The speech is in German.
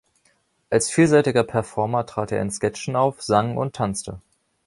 Als vielseitiger Performer trat er in Sketchen auf, sang und tanzte.